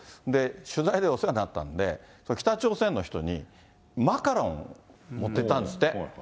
取材でお世話になったんで、北朝鮮の人にマカロンを持っていったんですって。